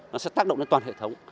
nó sẽ tác động đến toàn hệ thống